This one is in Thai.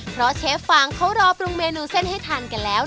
เพราะเชฟฟางเขารอปรุงเมนูเส้นให้ทานกันแล้ว